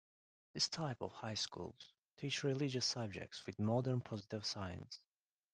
This type of high schools teach religious subjects with modern positive science.